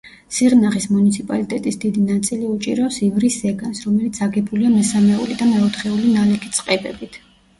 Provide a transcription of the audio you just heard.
სიღნაღის მუნიციპალიტეტის დიდი ნაწილი უჭირავს ივრის ზეგანს, რომელიც აგებულია მესამეული და მეოთხეული ნალექი წყებებით.